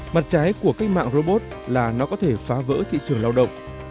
mặt trái của cách mạng robot là nó có thể phá vỡ thị trường lao động